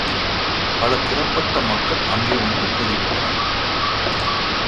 பல திறப்பட்ட மக்கள் அங்கு வந்து கூடிவிட்டனர்.